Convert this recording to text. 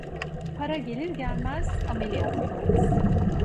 Para gelir gelmez ameliyat yaparız.